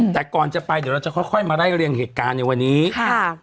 แต่ก่อนจะไปเดี๋ยวเราจะค่อยค่อยมาไล่เรียงเหตุการณ์ในวันนี้ค่ะ